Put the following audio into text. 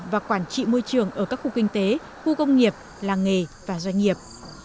và quản trị môi trường ở các khu kinh tế khu công nghiệp làng nghề và doanh nghiệp